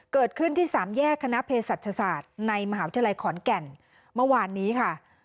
เกิดขึ้นที่สามแยกคณะเพศศาสตร์ในมหาวิทยาลัยขอนแก่นเมื่อวานนี้ค่ะ